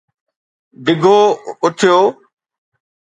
ڊگھو اٿيو